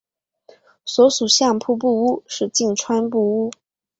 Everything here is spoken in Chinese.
所属相扑部屋是境川部屋。